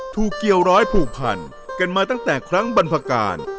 เกี่ยวร้อยผูกพันกันมาตั้งแต่ครั้งบรรพการ